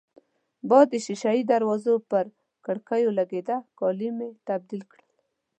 باد د شېشه يي دروازو پر کړکېو لګېده، کالي مې تبدیل کړل.